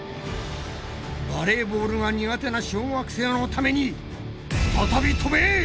バレーボールが苦手な小学生のために再び飛べ！